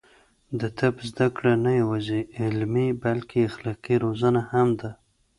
د طب زده کړه نه یوازې علمي، بلکې اخلاقي روزنه هم ده.